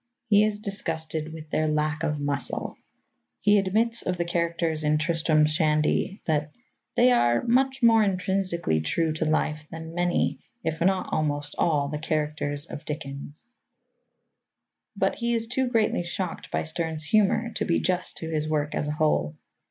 He is disgusted with their lack of muscle. He admits of the characters in Tristrom Shandy that "they are ... much more intrinsically true to life than many, if not almost all, the characters of Dickens," but he is too greatly shocked by Sterne's humour to be just to his work as a whole.